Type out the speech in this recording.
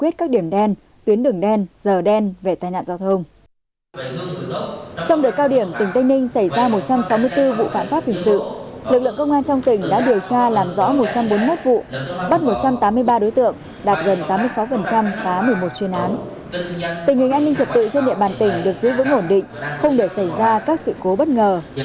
tình hình an ninh trật tự trên địa bàn tỉnh được giữ vững ổn định không để xảy ra các sự cố bất ngờ